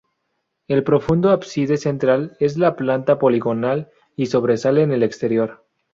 El profundo ábside central es de planta poligonal, y sobresale en el exterior.